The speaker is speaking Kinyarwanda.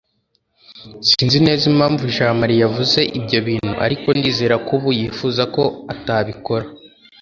sinzi neza impamvu jamali yavuze ibyo bintu, ariko ndizera ko ubu yifuza ko atabikora